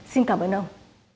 xin cảm ơn ông